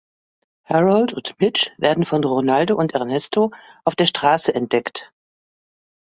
Harold und Mitch werden von Ronaldo und Ernesto auf der Straße entdeckt.